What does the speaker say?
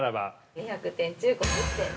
◆１００点中５０点で。